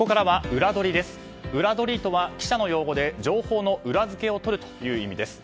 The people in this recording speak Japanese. ウラどりとは記者の用語で情報の裏付けをとるという意味です。